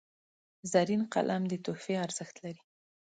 زرین قلم د تحفې ارزښت لري.